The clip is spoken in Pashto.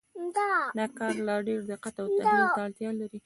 دا کار لا ډېر دقت او تحلیل ته اړتیا لري.